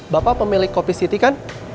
bapak pemilik kopi city kan